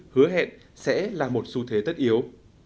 hứa hẹn sẽ là một xu thế tất yếu